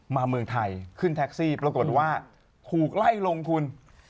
เมืองไทยขึ้นแท็กซี่ปรากฏว่าถูกไล่ลงทุน